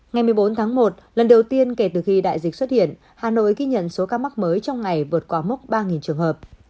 ngày một mươi bốn tháng một lần đầu tiên kể từ khi đại dịch xuất hiện hà nội ghi nhận số ca mắc mới trong ngày vượt qua mốc ba trường hợp